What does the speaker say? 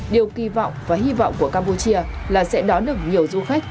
điều kỳ vọng và hy vọng của campuchia là sẽ đón được nhiều du khách